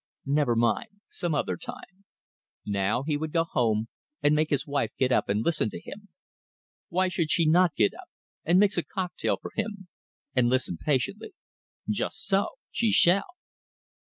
Never mind. Some other time. Now he would go home and make his wife get up and listen to him. Why should she not get up? and mix a cocktail for him and listen patiently. Just so. She shall.